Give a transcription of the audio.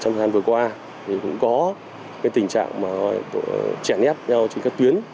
trong thời gian vừa qua thì cũng có cái tình trạng mà tội chèn ép nhau trên các tuyến